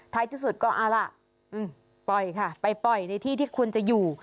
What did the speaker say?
ที่สุดก็เอาล่ะปล่อยค่ะไปปล่อยในที่ที่ควรจะอยู่